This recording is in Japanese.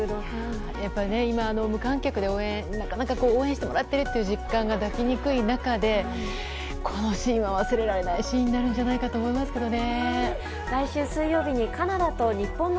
やっぱり今、無観客でなかなか応援してもらっているという実感が抱きにくい中でこのシーンは忘れられないシーンになると思いますね。